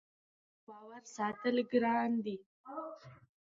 د خلکو باور ساتل ګران دي